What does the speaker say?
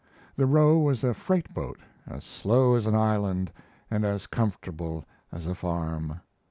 The Roe was a freight boat, "as slow as an island and as comfortable as a farm."